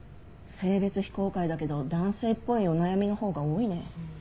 性別非公開だけど男性っぽいお悩みのほうが多いね。